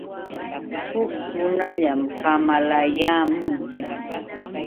Huk runallam kamalayaamun.